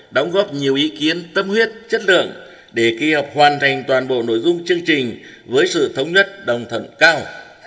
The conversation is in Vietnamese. đóng góp nhiều ý kiến tâm huyết chất lượng để kỳ họp hoàn thành toàn bộ nội dung chương trình với sự thống nhất đồng thận cao